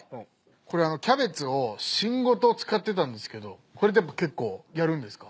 これあのキャベツを芯ごと使ってたんですけどこれって結構やるんですか？